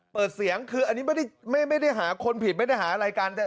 เปิดเสียงคืออันนี้ไม่ได้หาคนผิดไม่ได้หาอะไรกัน